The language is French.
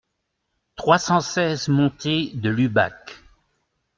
trois cent seize montée de l'Ubac